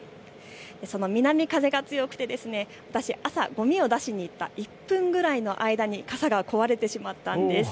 その南風が強くて私、朝、ごみを出しに行った１分くらいの間に傘が壊れてしまったんです。